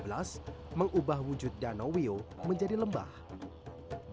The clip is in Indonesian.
batuan menyerupai karang dan pasir putih di perbukitan ini menjadi penguat cerita